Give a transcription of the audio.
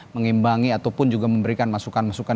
mengimbangi ataupun juga memberikan masukan masukan